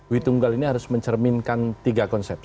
witunggal ini harus mencerminkan tiga konsep